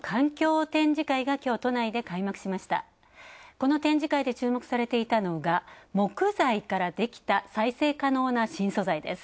この展示会で注目されていたのが、木材からできた再生可能な新素材です。